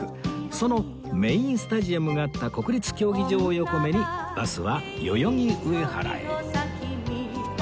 そのメインスタジアムがあった国立競技場を横目にバスは代々木上原へ